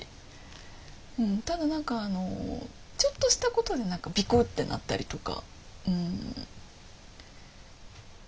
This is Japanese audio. ただ何かあのちょっとしたことでビクッてなったりとか。